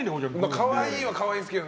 かわいいはかわいいんですけど。